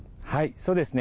そうですね。